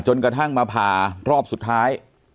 กระทั่งมาผ่ารอบสุดท้าย